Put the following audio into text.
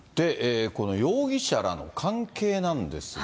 この容疑者らの関係なんですが。